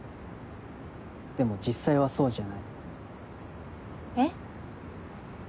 でも実際はそうじゃない。え？